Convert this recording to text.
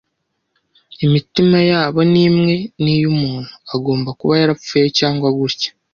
Imitima yabo ni imwe n'iy'umuntu; agomba kuba yarapfuye cyangwa gutya.